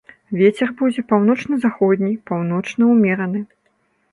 Вецер будзе паўночна-заходні, паўночны ўмераны.